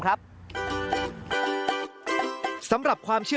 กลับวันนั้นไม่เอาหน่อย